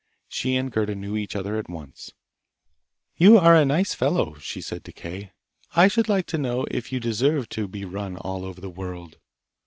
She and Gerda knew each other at once. 'You are a nice fellow!' she said to Kay. 'I should like to know if you deserve to be run all over the world!